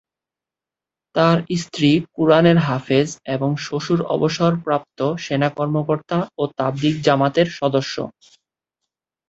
তার স্ত্রী কুরআনের হাফেজ এবং শ্বশুর অবসরপ্রাপ্ত সেনা কর্মকর্তা ও তাবলিগ জামাতের সদস্য।